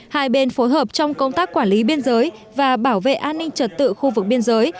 hai bên phối hợp trong công tác quản lý biên giới và bảo vệ an ninh trật tự khu vực biên giới